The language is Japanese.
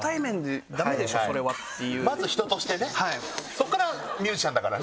そこからミュージシャンだからね。